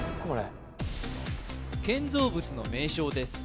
建造物の名称です